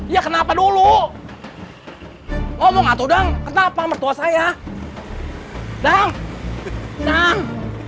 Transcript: iya kenapa dulu ngomong atau dang kenapa mertua saya dang dang